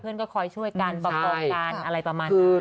เพื่อนก็คอยช่วยกันบังเติบการอะไรประมาณนั้น